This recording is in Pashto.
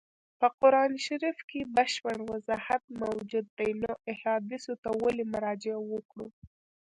په قرآن شریف کي بشپړ وضاحت موجود دی نو احادیثو ته ولي مراجعه وکړو.